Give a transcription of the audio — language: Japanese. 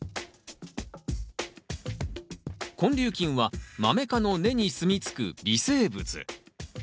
根粒菌はマメ科の根にすみつく微生物。